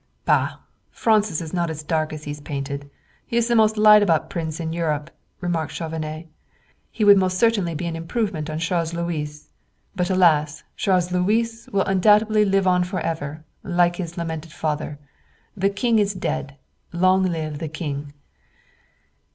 "Bah! Francis is not as dark as he's painted. He's the most lied about prince in Europe," remarked Chauvenet. "He would most certainly be an improvement on Charles Louis. But alas! Charles Louis will undoubtedly live on forever, like his lamented father. The King is dead: long live the King!"